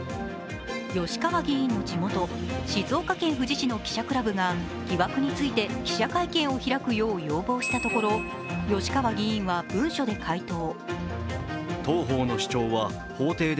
吉川議員の地元・静岡県富士市の記者クラブが疑惑について記者会見を開くよう要望したところ吉川議員は文書で回答。